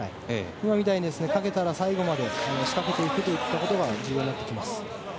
今みたいにかけたら最後までかけていくことが重要です。